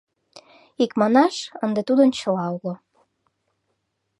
Икманаш, ынде тудын чыла уло.